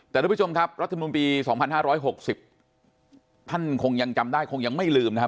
แต่นะทุกประชานมนตร์ครับรัฐบินปี๒๕๖๐ท่านคงยังจำได้คงยังไม่ลืมนะครับ